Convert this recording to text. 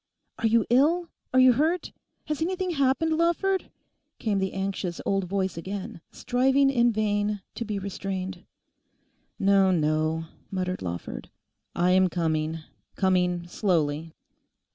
'Are you ill? Are you hurt? Has anything happened, Lawford?' came the anxious old voice again, striving in vain to be restrained. 'No, no,' muttered Lawford. 'I am coming; coming slowly.